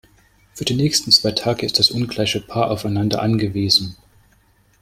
Für die nächsten zwei Tage ist das ungleiche Paar aufeinander angewiesen.